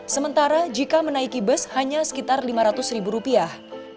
sementara jika menaiki bus hanya sekitar lima ratus ribu rupiah